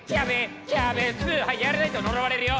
はいやらないと呪われるよ。